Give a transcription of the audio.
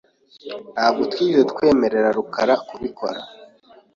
Ntabwo twigeze twemerera rukara kubikora .